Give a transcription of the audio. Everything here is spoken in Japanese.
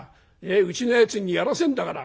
うちのやつにやらせんだから。